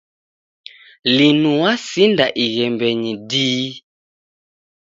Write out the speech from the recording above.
Linu wasinda ighembenyi dii.